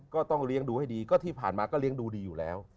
ก็ต้องเลี้ยงดูให้ดีก็ที่ผ่านมาก็เลี้ยงดูดีอยู่แล้ว